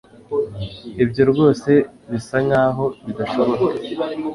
Ibyo rwose bisa nkaho bidashoboka